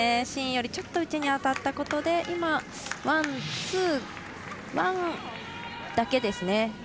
芯よりちょっと内に当たったことでワンだけですね。